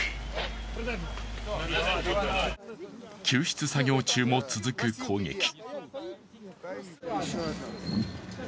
救出作業中も続く攻撃。